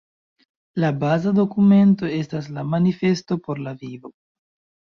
La baza dokumento estas la “Manifesto por la vivo“.